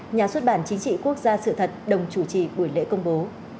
nhà xuất bản chính trị quốc gia sự thật đồng chủ trì buổi lễ công bố